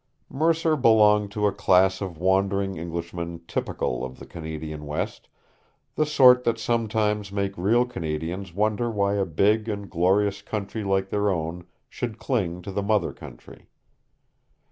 Mercer belonged to a class of wandering Englishmen typical of the Canadian West, the sort that sometimes made real Canadians wonder why a big and glorious country like their own should cling to the mother country.